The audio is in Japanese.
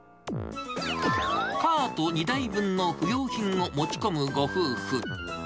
カート２台分の不用品を持ち込むご夫婦。